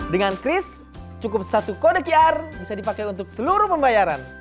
dengan kris cukup satu kode qr bisa dipakai untuk seluruh pembayaran